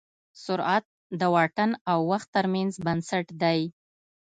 سرعت د واټن او وخت تر منځ نسبت دی.